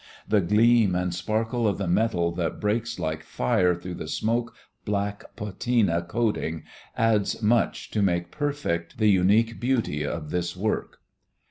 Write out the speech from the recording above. The gleam and sparkle of the metal that breaks like fire through the smoke black patina coating adds much to make perfect the unique beauty of this work.